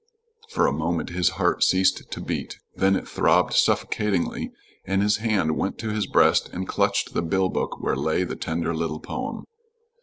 For a moment his heart ceased to beat, then it throbbed suffocatingly and his hand went to his breast and clutched the bill book where lay the tender little poem.